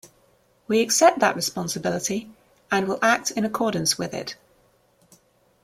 We accept that responsibility and will act in accordance with it.